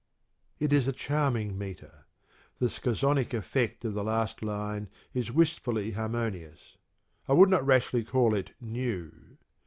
It is a charming metre: the scazonic effect of the last line is wistfully harmonious. I would not rashly call it new.